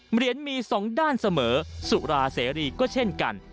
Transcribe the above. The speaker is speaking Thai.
เหรียญมีสองด้านเสมอสุราเสรีก็เช่นกัน